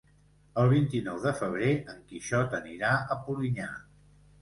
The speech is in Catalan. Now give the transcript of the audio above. El vint-i-nou de febrer en Quixot anirà a Polinyà.